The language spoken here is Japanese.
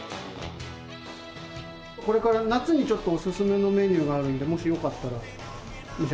これから夏にちょっとおすすめのメニューがあるんでもしよかったら召し上がって。